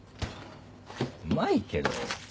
うまいけど。